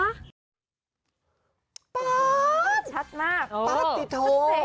ป๊าดป๊าดติโท